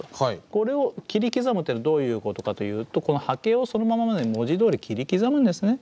これを切り刻むというのはどういうことかというとこの波形をそのままで文字どおり切り刻むんですね。